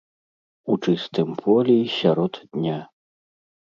У чыстым полі і сярод дня.